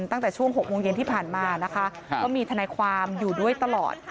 ตั้งแต่ช่วง๖โมงเย็นที่ผ่านมานะคะก็มีทนายความอยู่ด้วยตลอด